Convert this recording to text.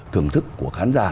thưởng thức của khán giả